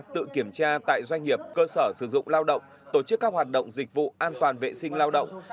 tự kiểm tra tại doanh nghiệp cơ sở sử dụng lao động tổ chức các hoạt động dịch vụ an toàn vệ sinh lao động